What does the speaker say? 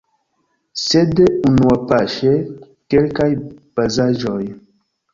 Sed unuapaŝe kelkaj bazaĵoj.